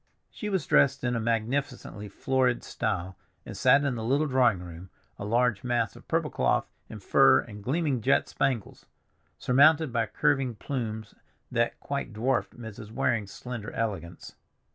She was dressed in a magnificently florid style, and sat in the little drawing room a large mass of purple cloth and fur and gleaming jet spangles, surmounted by curving plumes, that quite dwarfed Mrs. Waring's slender elegance.